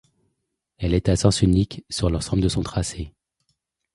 Elle est à sens unique sur l'ensemble de son tracé.